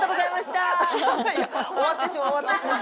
終わってしまう終わってしまう。